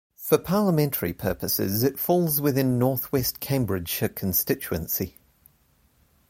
For parliamentary purposes it falls within North West Cambridgeshire constituency.